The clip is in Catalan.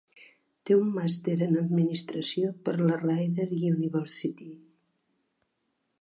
Té un màster en administració per la Rider University.